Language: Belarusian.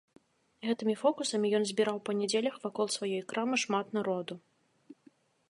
Гэтымі фокусамі ён збіраў па нядзелях вакол сваёй крамы шмат народу.